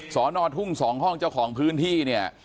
สอนอทุ่ง๒ห้องเจ้าของพื้นที่เนี่ย